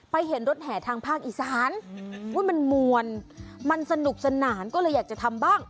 เห็นรถแห่ทางภาคอีสานมันมวลมันสนุกสนานก็เลยอยากจะทำบ้าง